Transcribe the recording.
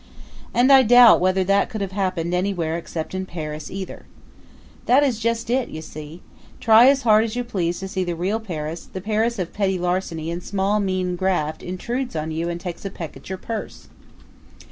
And I doubt whether that could have happened anywhere except in Paris either. That is just it, you see. Try as hard as you please to see the real Paris, the Paris of petty larceny and small, mean graft intrudes on you and takes a peck at your purse.